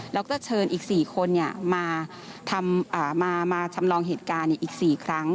แล้วก็เชิญอีก๔คนมาจำลองเหตุการณ์อีก๔ครั้ง